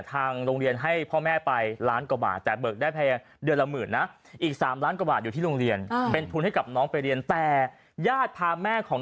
ทางโรงโรงเรียนให้พ่อแม่